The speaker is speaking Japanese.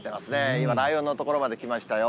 今、ライオンの所まで来ましたよ。